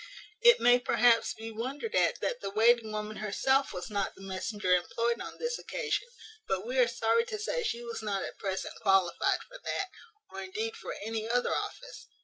It may perhaps be wondered at that the waiting woman herself was not the messenger employed on this occasion; but we are sorry to say she was not at present qualified for that, or indeed for any other office.